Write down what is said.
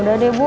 udah deh bu